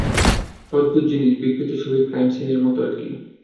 অদ্ভুত জিনিস, বিকৃত ছবি ক্রাইম সিনের মত আর কি!